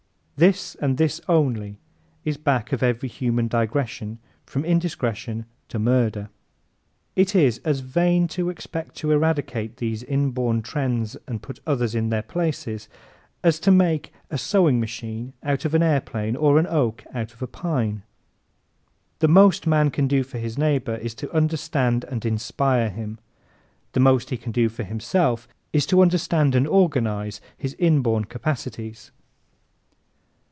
This and this only is back of every human digression from indiscretion to murder. It is as vain to expect to eradicate these inborn trends and put others in their places as to make a sewing machine out of an airplane or an oak out of a pine. The most man can do for his neighbor is to understand and inspire him. The most he can do for himself is to understand and organize his inborn capacities.